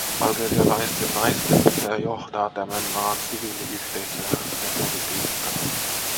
Algerialaisten naisten pitää johtaa tämän maan siviiliyhteisöä, sen politiikkaa.